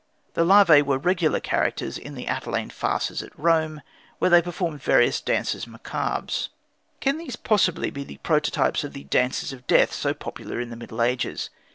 " The Larvæ were regular characters in the Atellane farces at Rome, where they performed various "danses macabres." Can these possibly be the prototypes of the Dances of Death so popular in the Middle Ages?